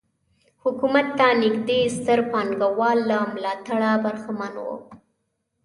حکومت ته نږدې ستر پانګوال له ملاتړه برخمن وو.